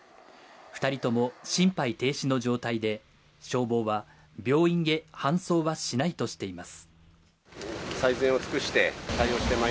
２人とも心肺停止の状態で、消防は病院へ搬送はしないとしています。